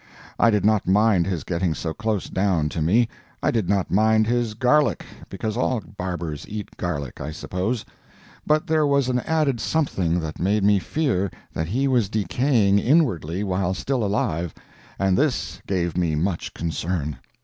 I did not mind his getting so close down to me; I did not mind his garlic, because all barbers eat garlic, I suppose; but there was an added something that made me fear that he was decaying inwardly while still alive, and this gave me much concern.